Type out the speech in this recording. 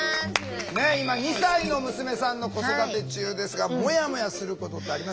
ねえ今２歳の娘さんの子育て中ですがもやもやすることってありますか？